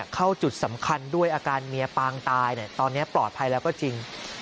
เข้าจุดสำคัญด้วยอาการเมียปางตายตอนนี้ปลอดภัยแล้วก็จริง